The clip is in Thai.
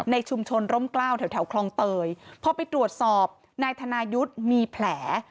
ในชุมชนร่มกล้าวแถวแถวคลองเตยพอไปตรวจสอบนายธนายุทธ์มีแผล